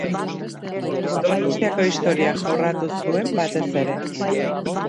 Donostiako historia jorratu zuen batez ere.